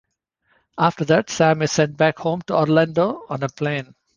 After that, Sam is sent back home to Orlando on a plane.